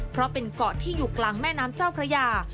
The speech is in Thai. เพราะเป็นเกาะที่อยู่กลางแม่น้ำเจ้าพระยา